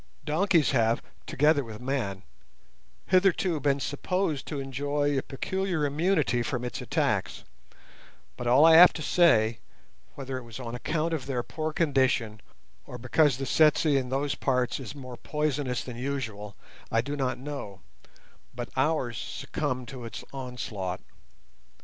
Donkeys have, together with men, hitherto been supposed to enjoy a peculiar immunity from its attacks; but all I have to say, whether it was on account of their poor condition, or because the tsetse in those parts is more poisonous than usual, I do not know, but ours succumbed to its onslaught.